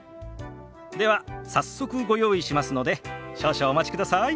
では早速ご用意しますので少々お待ちください。